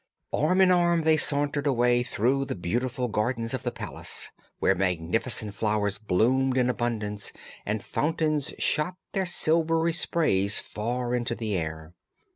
Arm in arm they sauntered away through the beautiful gardens of the palace, where magnificent flowers bloomed in abundance and fountains shot their silvery sprays far into the air.